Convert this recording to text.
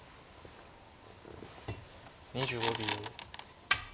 ２５秒。